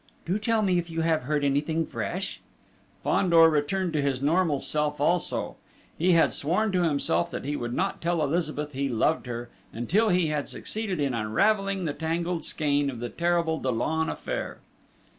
"Do tell me if you have heard anything fresh!" Fandor returned to his normal self also. He had sworn to himself that he would not tell Elizabeth he loved her, until he had succeeded in unravelling the tangled skein of the terrible Dollon affair.